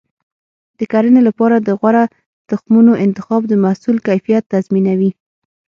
د کرنې لپاره د غوره تخمونو انتخاب د محصول کیفیت تضمینوي.